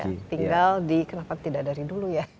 tinggal di kenapa tidak dari dulu ya